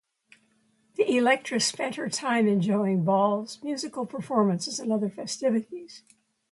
The Electress spent her time enjoying balls, musical performances and other festivities.